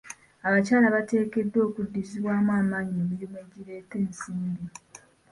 Abakyala bateekeddwa okuddizibwamu amaanyi mu mirimu egireeta ensimbi.